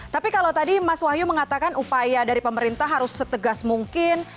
tapi kalau tadi mas wahyu mengatakan upaya dari pemerintah harus setegas mungkin